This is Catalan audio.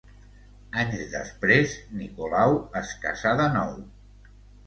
Anys després, Nicolau es casà de nou.